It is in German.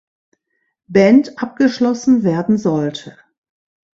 Band abgeschlossen werden sollte.